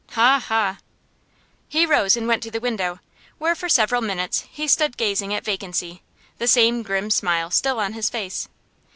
Ha! ha!' He rose and went to the window, where for several minutes he stood gazing at vacancy, the same grim smile still on his face.